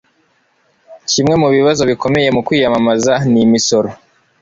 Kimwe mu bibazo bikomeye mu kwiyamamaza ni imisoro.